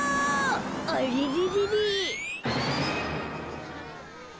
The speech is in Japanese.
あれれれれ？